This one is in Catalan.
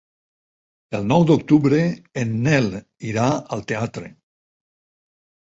El nou d'octubre en Nel irà al teatre.